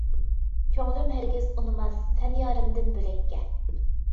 كۆڭلۈم ھەرگىز ئۇنىماس، سەن يارىمدىن بۆلەككە.